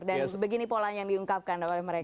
dan begini polanya yang diungkapkan oleh mereka